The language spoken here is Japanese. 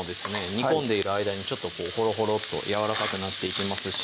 煮込んでいる間にちょっとホロホロッとやわらかくなっていきますし